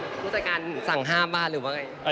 ผู้จัดการสั่งห้ามมาหรือว่าไง